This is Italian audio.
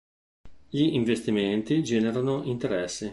Gli investimenti generano interessi.